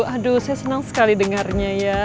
aduh saya senang sekali dengarnya ya